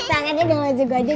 rena gausah dia udah maju maju